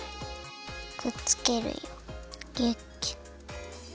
くっつけるぎゅっぎゅっ。